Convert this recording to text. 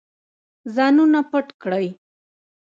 ځانونه پټ کړئ.